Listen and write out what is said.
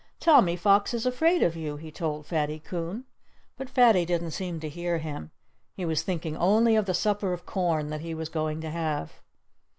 "Tommy Fox is afraid of you!" he told Fatty Coon. But Fatty didn't seem to hear him. He was thinking only of the supper of corn that he was going to have.